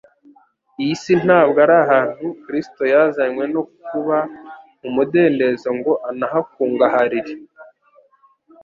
Iyi si ntabwo ari ahantu Kristo yazanywe no kuba mu mudendezo ngo anahakungaharire.